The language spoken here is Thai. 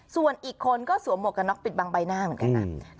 ส่วนอีกคนก็สวมหมวกกันน็อกปิดบังใบหน้าเหมือนกันนะ